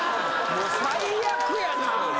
もう最悪やな。